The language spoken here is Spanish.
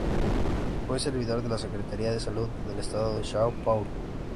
Fue servidor de la Secretaría de Salud del estado de São Paulo.